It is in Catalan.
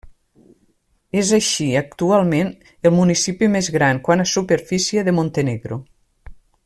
És així, actualment, el municipi més gran, quant a superfície, de Montenegro.